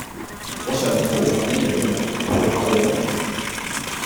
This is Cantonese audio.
我想，討飯一樣的人，也配考我麼？